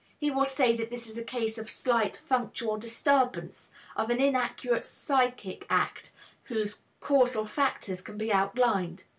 He will say that this is a case of slight functional disturbance, of an inaccurate psychic act whose causal factors can be outlined.